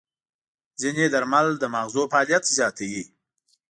ځینې درمل د ماغزو فعالیت زیاتوي.